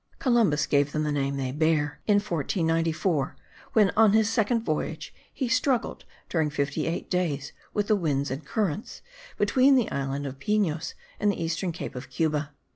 Columbus gave them the name they bear, in 1494, when, on his second voyage, he struggled during fifty eight days with the winds and currents between the island of Pinos and the eastern cape of Cuba.